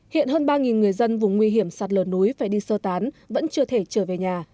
hiện hơn ba người dân vùng nguy hiểm sạt lở núi phải đi sơ tán vẫn chưa thể trở về nhà